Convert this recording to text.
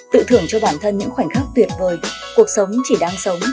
tự thưởng cho bản thân những khoảnh khắc tuyệt vời cuộc sống chỉ đang sống